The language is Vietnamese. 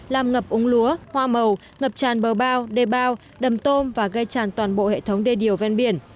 làm ngập úng lúa hoa màu ngập tràn bờ bao đê bao đầm tôm và gây tràn toàn bộ hệ thống đê điều ven biển